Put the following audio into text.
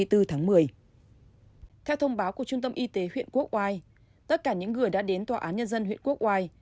theo thông báo của trung tâm y tế huyện quốc oai tất cả những người đã đến tòa án nhân dân huyện quốc oai